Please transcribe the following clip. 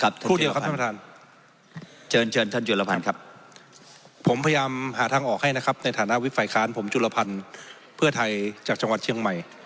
ผมพยายามหาทางออกให้นะครับในฐานะวิศัยคลาญผมจุฬพรรณเพื่อไทยจากจังหวัดเชียงใหม่